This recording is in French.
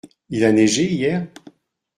Il a neigé hier ?